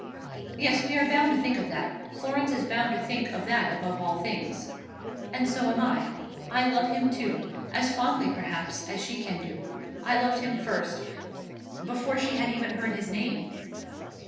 "Yes; we are bound to think of that. Florence is bound to think of that above all things." "And so am I. I love him too; as fondly, perhaps, as she can do. I loved him first, before she had even heard his name."